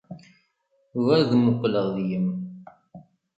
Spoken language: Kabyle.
U ad muqleɣ deg-m...